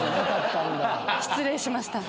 失礼しました。